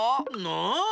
なあ。